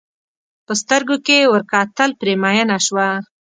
په سترګو کې یې ور کتل پرې مینه شوه.